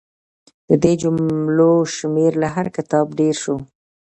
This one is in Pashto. د دې جملو شمېر له هر کتاب ډېر شو.